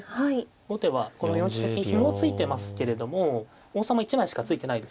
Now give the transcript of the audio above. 後手はこの４一の金ひも付いてますけれども王様１枚しかついてないですからね。